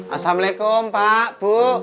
assalamualaikum pak bu